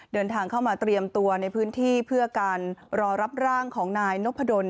เดินทางเข้ามาเตรียมตัวในพื้นที่เพื่อการรอรับร่างของนายนพดล